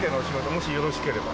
もしよろしければ。